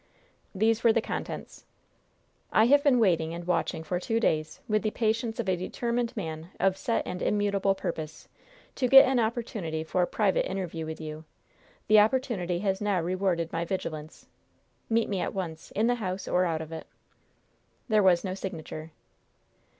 These were the contents: "I have been waiting and watching for two days, with the patience of a determined man of set and immutable purpose, to get an opportunity for a private interview with you. The opportunity has now rewarded my vigilance. Meet me at once, in the house or out of it." There was no signature.